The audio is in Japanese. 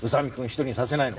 一人にさせないの。